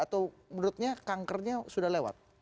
atau menurutnya kankernya sudah lewat